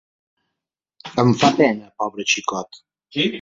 Em fa pena, pobre xicot!